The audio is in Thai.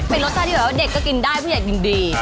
เป็นรสชาติที่แบบว่าเด็กก็กินได้ผู้ใหญ่ยินดี